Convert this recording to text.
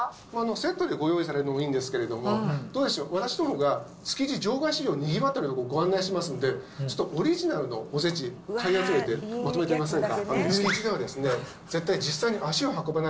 まあ、お重のやつ頼むんじゃないセットでご用意されるのもいいんですけれども、どうでしょう、私どもが、築地場外市場のにぎわっている所をご案内しますので、ちょっとオリジナルのおせち買い集めでまとめてみませんか？